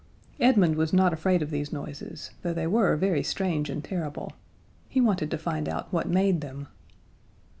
Edmund was not afraid of these noises though they were very strange and terrible. He wanted to find out what made them.